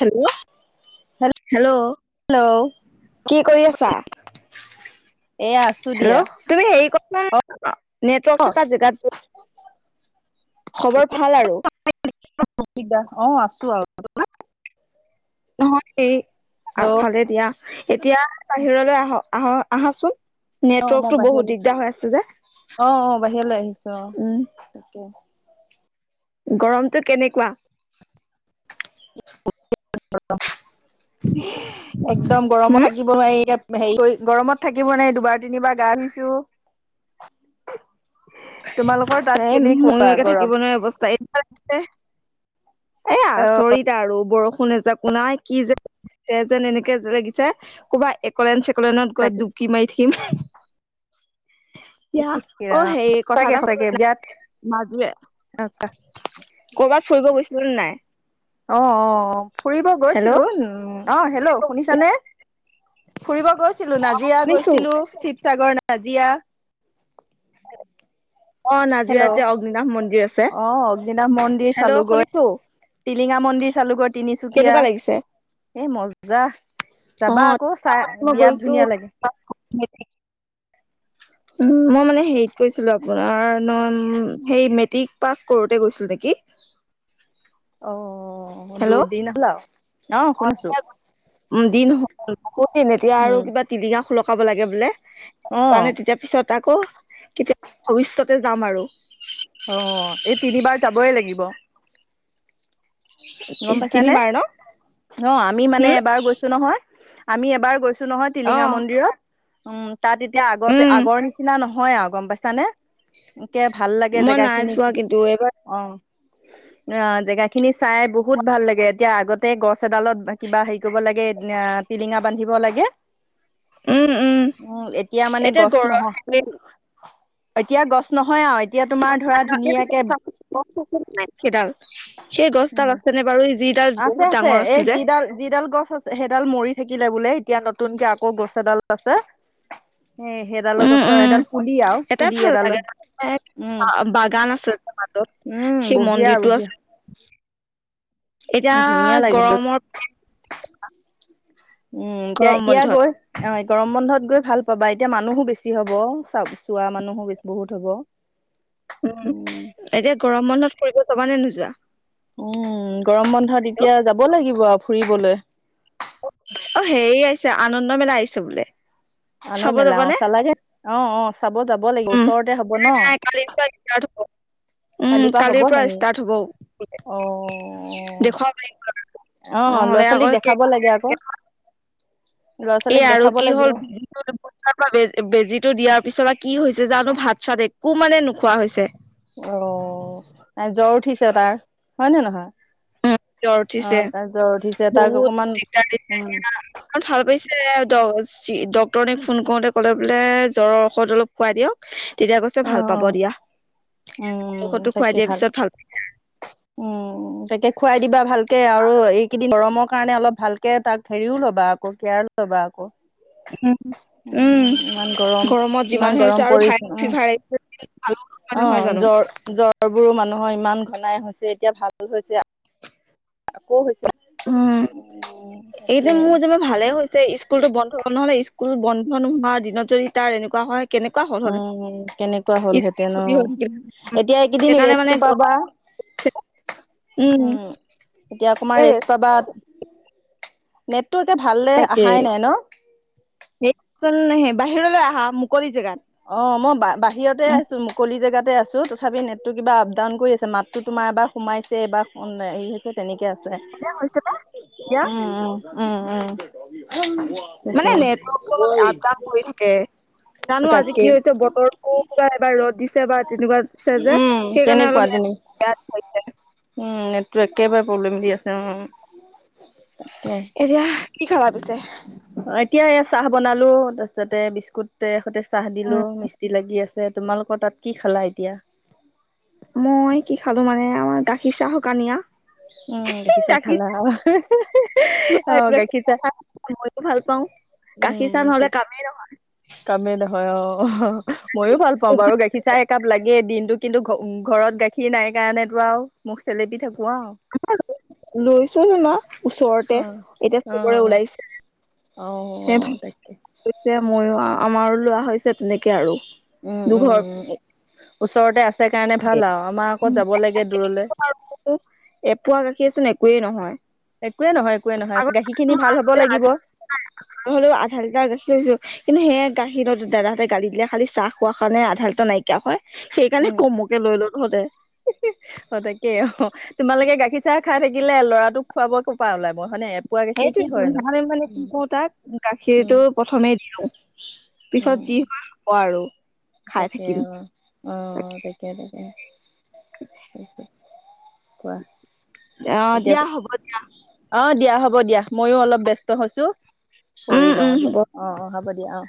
Hello hello. Hello কি কৰি আছা? এয়া আছো দিয়া। হেল্ল' তুমি হেৰি কৰা নেটৱৰ্ক থকা জেগাত যোৱা খবৰ ভাল আৰু অ আছো আৰু তোমাৰ নহয় এই ভালে দিয়া এতিয়া বাহিৰলৈ আহক আহক আহাচোন অ মই নেটৱৰ্কতটো বহুত বাহিৰলৈ দিগদাৰ হৈ আছে যে অ অ বাহিৰলৈ আহিছো অ। উম তাকে গৰমটো কেনেকোৱা একদম গৰমো হম থাকিব নোৱাৰি এতিয়া হেৰি গৰমত থাকিব নাই দুবাৰ তিনিবাৰ গা ধুইছো তোমালোকৰ তাত চাই কেনেকোৱা ময়কে থাকিব গৰম নোৱাৰা অৱস্থা এ অ আচৰিত আৰু বৰষু [unintelligible] ন এজাকো নাই কি যে যেন এনেকে যে লাগিছে ক'ৰবা একলেন চে [unintelligible] কলেনত গৈ তাকে ডুকি মাৰি থাকিম [unintelligible] এতিয়া অ সেই কথা সঁচাকে এটা শুধো সঁচাকে নাই বিৰাট মাজুৰে অ কৰ'বাত ফুৰিব গৈছিলো নাই অ অ অ ফুৰিব হেল্ল' গৈছিলো উ অ হেল্ল' শুনিছো। শুনিছানে ফুৰিব গৈছিলো নাজিৰা গৈছিলো শিৱসাগৰ ন নাজিয়া অ হেল্ল' নাজিৰাত যে অগ্নিনাভ মন্দিৰ আছে। অহ অগ্নীনাথ মন্দিৰ হেল্ল' চালোগৈ শুনিছো টিলিঙা মন্দিৰ চালোগৈ তিনিচুকীয়া কেনেকুৱা লাগিছে? এ মজা অ যাবা আকৌ টিলিঙা চাই মন্দিৰ মই বিৰাট ধুনীয়া লাগে গৈছো উম মই মানে হেৰিত গৈছিলো আপোনাৰ ন হে মেট্ৰিক পাছ কৰোতে গৈছিলো নেকি কি অ দুৰ দিন হ'ল আ অ শুনি আছো [unintelligible] দিন হ'ল ক দিন এতিয়া আৰু কিবা টিলিঙা সলকাব লাগে বোলে [unintelligible] অ সেই কাৰণে তেতিয়া পিছত আকৌ কেতিয়াবা ভৱিষ্যতে যাম আৰু অ' এই তিনিবাৰ যাবই লাগিব। গম পাইছানে তিনিবাৰ ন ন আমি মানে হুম। এবাৰ গৈছো নহয়। আমি এবাৰ গৈছো নহয়। অ। টিলিঙা মন্দিৰত উম তাত এতিয়া আগতে উম আগৰ নিচিনা নহয়। হয় আৰু গম পাইছানে এতিয়া ভাল লাগে। মই জেগা নাই খিনি যোৱা কিন্তু এইবাৰ অ' অ' জেগা খিনি চাই বহুত ভাল লাগে। এতিয়া আগতে গছ ছ এডালত কিবা হেৰি কৰিব লাগে। টিলিঙা বান্ধিব লাগে। উম এতিয়া মানে গছ নহ এতিয়া গছ নহয় এতিয়া তোমাৰ ধৰা ধুনীয়াকে ছ গছ নাই সেইডাল সেই গছডাল উম আছে নে বাৰু। যিডাল আছে বহুত আছে ডাঙৰ আছিল এই যে যিডাল যিডাল গছ আছে। সেইডাল মৰি থাকিলে বোলে। এতিয়া নতুনকে আকৌ গছ এডালো আছে। এ সেইডালৰ উম গছৰ উম সেইডাল পুলি আৰু এটাই পুলি ভাল এডালৰ লাগে উম বাগান আছে যে মাজত উম সেই বঢ়িয়া মন্দিৰটো বঢ়িয়া। আছে এতিয়া ধুনীয়া লাগিব গৰমৰ উম এতিয়া গৰম এতিয়া বন্ধত গৈ অ' গৰম বন্ধত গৈ ভাল পাবা এতিয়া মানুহো বেছি হ'ব চা চোৱা মানুহো বেছ বহুত হ'ব। উম এতিয়া গৰম বন্ধত ফুৰিব যাবা নে নোযোৱা? উম গৰম বন্ধত এতিয়া যাব লাগিব আও ফুৰিবলৈ। অ' হেৰি আহিছে আনন্দ মেলা আহিছে বোলে। আনৰ চাব মেলা অ যবানে চালাগে অ অ চাব যাব লাগিব উম ওচৰতে হ'ব নাই ন নাই কালিৰ পৰা হয় কালিৰ পৰা হ'ব হেনি অ' অ' দেখুৱাব লাগিব ল'ৰা নহলে ছোৱালীক আকৌ দেখাব লাগে আকৌ ল'ৰা এ ছোৱালীক আৰু দেখাব কি লাগিব হ'ল বেজিৰ পৰা বে বেজিটো দিয়াৰ পৰা পিছৰ বা কি হৈছে জানো ভাত চাত একো মানে নোখোৱা হৈছে। অ' জ্বৰ তাৰ উঠিছে তাৰ হয় নে নহয়? জ্বৰ অ উঠিছে তাৰ জ্বৰ উঠিছে তাক অকমান বহুত দিগদাৰ দিছে, উম এতিয়া অলপ ভাল পাইছে। ডক্টোৰনিক ফোন কৰোঁ‌তে ক'লে বোলে, জ্বৰৰ ঔষধ অলপ খুৱাই দিয়ক তেতিয়া কৈছে ভাল পাব দিয়া। উমমম ঔষধটো খুৱাই তাকে দিয়াৰ ভাল পিছত পাব। উমম তাকে খুৱাই দিবা ভালকে আৰু এইকেইদিন গৰমৰ কাৰণে অলপ ভালকে তাক হেৰিও ল'বা। আকৌ কেয়াৰো ল'বা আক। উ উম ইমান গৰম গৰমত ইমান যিমানহে হৈছে গৰম আৰু পৰিছে ভাইৰেল উম। ফিভাৰ আহিছে ভালো কথা অ' নহয় জানো। জ্বৰ জ্বৰ বোৰো মানুহ অ' ইমান ঘনাই হৈছে। এতিয়া ভালো হৈছে আকৌ হৈছে। উম এই যে তাকে মোৰ যে ভালেই হৈছে। স্কুলতো বন্ধ হল, নহ'লে স্কুল বন্ধ নোহোৱা দিনত যদি তাৰ এনেকুৱা হয়, কেনেকুৱা হ'ল হ'লে, উম কেনেকুৱা স্কুল হ'লহেঁতেন অ খতি হ'ল হ'লে এতিয়া এইকেইদিন সেইকাৰণে ৰেষ্টটো মানে- পাবা [unintelligible] উম এতিয়া অকমান সেই ৰেষ্ট পাবা, নেট টো এতিয়া ভাললে তাকে অহাই নাই ন? নাহে বাহিৰলৈ আহা মুকলি জেগাত। অ' মই বা বাহিৰতে আছো, মুকলি জেগাতে আছো আছো তথাপিও নেটটো কিবা আপ ডাউন কৰি আছে, মাতটো তোমাৰ এবাৰ সোমাইছে এইবাৰ হেৰি হৈছে তেনেকে আছে। হৈছে নে এতিয়া উম উম উম উম। মানে তাকে নেটৱৰ্কটো অলপ আপডাউন কৰি থাকে। জানো আজি তাকে কি হৈছে বতৰটো কিবা এবাৰ ৰ'দ দিছে। এবাৰ তেনেকুৱা দিছে যে, উম সেইকাৰণে তেনেকুৱা অলপ নেট তেনে [unintelligible] উম নেটটোৱে একেবাৰে প্ৰব্লেম দি আছে উম। তাকে। এতিয়া কি খাবা পিছে? এতিয়া এয়া চাহ বনালো তাৰপিছতে বিস্কুটতে সৈতে চাহ দিলোঁ উম মিস্ত্ৰী লাগি আছ তোমালোকৰ তাত কি খালা এতিয়া? মই কি খালো মানে আমাৰ গাখীৰ চাহ শুকানিয়া। গাখীৰ চাহ, অ গাখীৰ চাহ [unintelligible] মইয়ো ভাল পাওঁ। গাখীৰ চাহ নহলে কামেই নহয়। কামে নহয় অ', মইয়ো ভাল পাওঁ নহয় বাৰু গাখীৰ চাহ একাপ লাগেই দিন টো কিন্তু ঘৰত গাখীৰ নাই কাৰণেতো আৰু মুখ চেলেকি থাক আমাৰো লৈছো যেনিবা ওচৰতে, অ এতিয়া অ চবৰে ওলাইছে। অ সেয়ে, অ ভাল তাকে হৈছে মইয়ো আমাৰো লোৱা হৈছে তেনেকে আৰু। উম, উম, দুঘৰ উম, ওচৰতে আ ছে কাৰণে ভাল আৰু আমাৰ আকৌ উম যাব লাগে দূৰলে। কোৱেই নহয়। একোৱে নহয় একোৱে নহয় আগত গাখীৰ খিনি ভাল হ'ব লাগিব। মই বোলো আধা লিটাৰ গাখীৰ জ কিন্তু সেয়া গাখীৰৰ দ দাদাহঁতে গালি দিলে খালি চাহ খোৱাৰ কাৰণে আধা লিটাৰ নাইকিয়া হয় সেইকাৰণে উম মোকে লৈ ল' তহঁতে। অ তাকে অ তোমালোকে গাখীৰ চাহ খাই থাকিলে ল'ৰাটোক খোৱাব ক'ৰ পৰা ওলাব হয় নে? এপোৱা গাখীৰ কি সেইটোৱেটো হয়নো আগতে মানে কি উম কৰো তাক, উম গাখীৰটো প্ৰথমে দি লওঁ। পিছত যি উম হয় হব আৰু। খাই তাকে থাকিম অ', অ, তাকে তাকে। কোৱা, অ এতিয়া দিয়া হ'ব দিয়া অ', দিয়া হ হ'ব দিয়া মইয়ো অলপ ব্যস্ত হৈছো, কৰি উম লওঁ উম দিয়া, হ'ব অ', অ হ'ব দিয়া। অ',